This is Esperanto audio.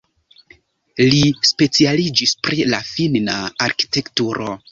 Li specialiĝis pri la finna arkitekturo.